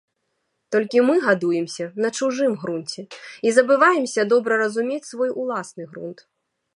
Толькі мы гадуемся на чужым грунце і забываемся добра разумець свой уласны грунт.